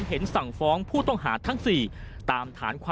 ๓๐เมษายน๒๕๖๑